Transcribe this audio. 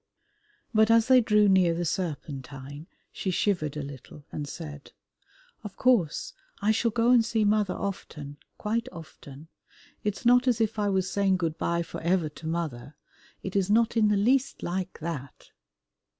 But as they drew near the Serpentine, she shivered a little, and said, "Of course I shall go and see mother often, quite often. It is not as if I was saying good bye for ever to mother, it is not in the least like that."